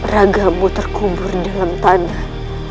ragamu terkubur dalam tanah